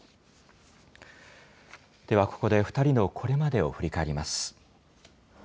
ではここで、２人のこれまでを振り返ります。